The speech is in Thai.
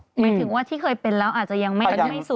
หมายถึงว่าที่เคยเป็นแล้วอาจจะยังไม่สุด